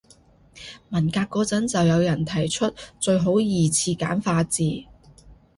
文革嗰陣就有人提出最好二次簡化字